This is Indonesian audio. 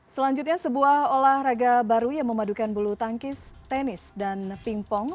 selanjutnya sebuah olahraga baru yang memadukan bulu tangkis tenis dan pingpong